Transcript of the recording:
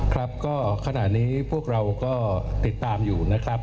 ครับก็ขณะนี้พวกเราก็ติดตามอยู่นะครับ